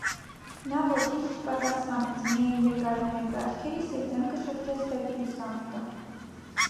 Նա ոչինչ չպատասխանեց, միայն երկար նայեց աչքերիս և դեմքը շրջեց դեպի լուսամուտը: